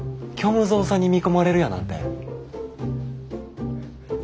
虚無蔵さんに見込まれるやなんて。